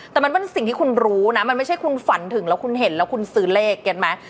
แต่มันเป็นสิ่งที่คุณรู้นะมันไม่ใช่คุณฝันถึงแล้วคุณเห็นแล้วคุณซื้อเลขกันไหม